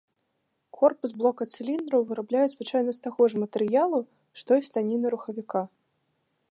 Корпус блока цыліндраў вырабляюць звычайна з таго ж матэрыялу, што і станіна рухавіка.